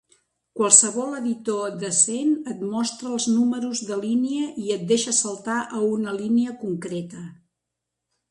Qualsevol editor decent et mostra els números de línia i et deixa saltar a una línia concreta.